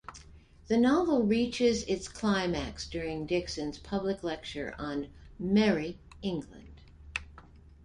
The novel reaches its climax during Dixon's public lecture on "Merrie England".